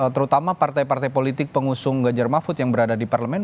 terutama partai partai politik pengusung ganjar mahfud yang berada di parlemen